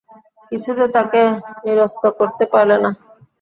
কিছুতে তাঁকে নিরস্ত করতে পারলে না।